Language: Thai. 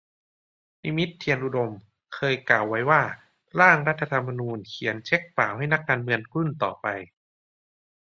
นิมิต เทียนอุดม เคยกล่าวไว้ว่า ร่างรัฐธรรมนูญ เขียนเช็คเปล่าให้นักการเมืองรุ่นต่อไป